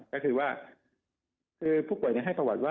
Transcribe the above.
ก็คือว่าคือผู้ป่วยให้ประวัติว่า